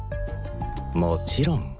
もちろん。